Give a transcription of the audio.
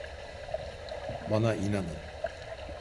Bana inanın.